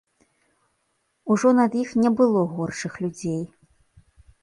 Ужо над іх не было горшых людзей.